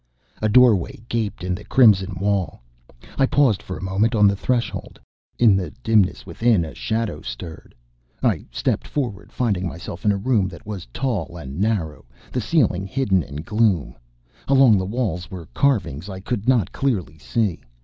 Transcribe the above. A doorway gaped in the crimson wall. I paused for a moment on the threshold. In the dimness within a shadow stirred. I stepped forward, finding myself in a room that was tall and narrow, the ceiling hidden in gloom. Along the walls were carvings I could not clearly see.